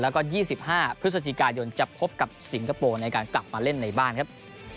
แล้วก็๒๕พฤศจิกายนจะพบกับสิงคโปร์ในการกลับมาเล่นในบ้านครับ